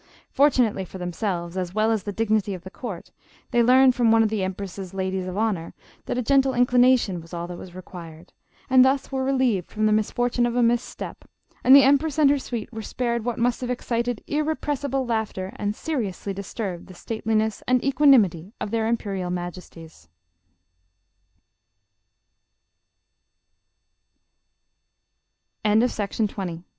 Fortunately for themselves, as well as the dignity of the court, they learned from one of the empress' ladies of honor that a gentle inclination was all that was re quired, and thus were relieved from the misfortune of a misstep, and the empress and her suite were spared what must have excited irrepressible laughter and seri ously disturbed the stateliness and equanimity of their